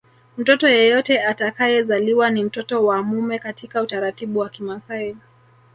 Mtoto yeyote atakayezaliwa ni mtoto wa mume katika utaratibu wa Kimasai